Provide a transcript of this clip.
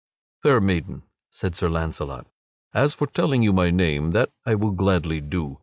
"Fair maiden," said Sir Launcelot, "as for telling you my name, that I will gladly do.